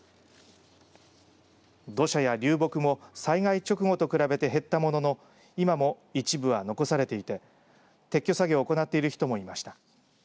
土砂や流木も災害直後と比べて減ったものの今も一部は残されていて撤去作業を行っている人もいました。